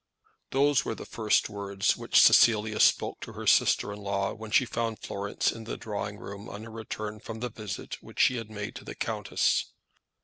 Those were the first words which Cecilia Burton spoke to her sister in law, when she found Florence in the drawing room on her return from the visit which she had made to the countess.